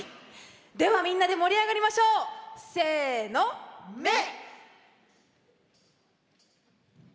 では、みんなで盛り上がりましょう！せーの、めッ！